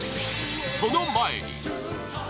その前に！